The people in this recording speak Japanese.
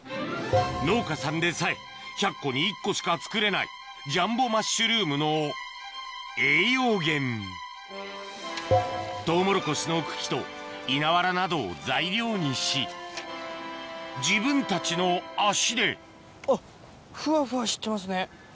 農家さんでさえ１００個に１個しか作れないジャンボマッシュルームの栄養源トウモロコシの茎と稲ワラなどを材料にし自分たちの足であっ。